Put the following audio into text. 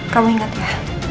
kamu ingat ya